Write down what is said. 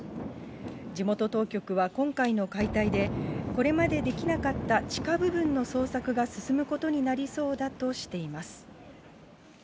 地元当局は今回の解体で、これまでできなかった地下部分の捜索が進むことになりそうだとしています。